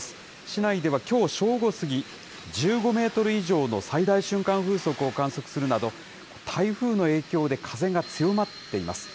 市内では、きょう正午過ぎ、１５メートル以上の最大瞬間風速を観測するなど、台風の影響で風が強まっています。